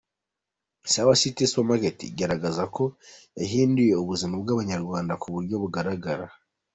Sawa citi Supermarket igaragaza ko yahinduye ubuzima bw’Abanyarwanda ku buryo bugaragara.